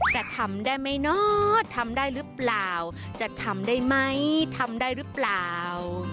จะทำได้ไหมเนอะทำได้หรือเปล่าจะทำได้ไหมทำได้หรือเปล่า